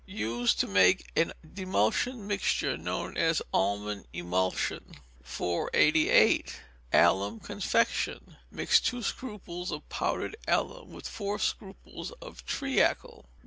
Use to make a demulcent mixture known as "almond emulsion." 488. Alum Confection. Mix two scruples of powdered alum with four scruples of treacle.